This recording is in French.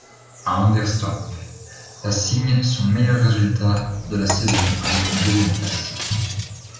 À Anderstorp, la signe son meilleur résultat de la saison avec une deuxième place.